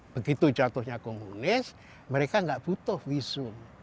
begitu jatuhnya komunis mereka nggak butuh visum